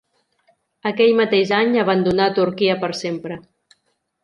Aquell mateix any abandonà Turquia per sempre.